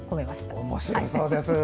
おもしろそうです。